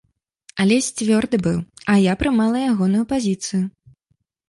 Алесь цвёрды быў, а я прымала ягоную пазіцыю.